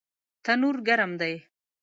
تنور ګرم کړئ